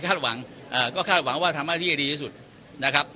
คาดหวังเอ่อก็คาดหวังว่าทำมาที่ให้ดีที่สุดนะครับ